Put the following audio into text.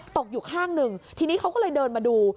ตกอยู่ข้างหนึ่งทีนี้เขาก็เลยเดินมาดู